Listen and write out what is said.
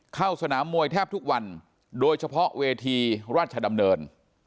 เข้าสนามมวยแทบทุกวันโดยเฉพาะเวทีราชดำเนิน